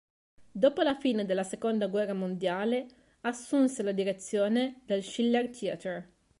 Dopo la fine della seconda guerra mondiale assunse la direzione del Schiller Theatre.